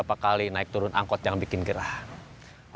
maksudku yang pertama